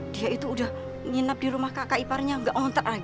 dia itu udah nginap di rumah kakak iparnya nggak ngontrak lagi